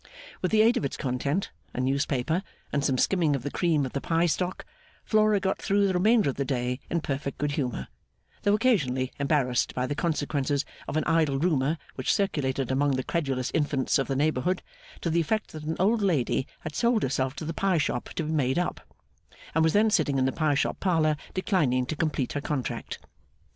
With the aid of its content, a newspaper, and some skimming of the cream of the pie stock, Flora got through the remainder of the day in perfect good humour; though occasionally embarrassed by the consequences of an idle rumour which circulated among the credulous infants of the neighbourhood, to the effect that an old lady had sold herself to the pie shop to be made up, and was then sitting in the pie shop parlour, declining to complete her contract.